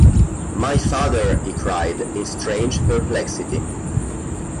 ‘My father!’ he cried, in strange perplexity.